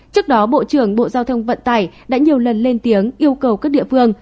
trước đó bộ trưởng bộ giao thông vận tải đã nhiều lần lên tiếng yêu cầu các địa phương